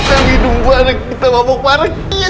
pengangguran itu menyenangkan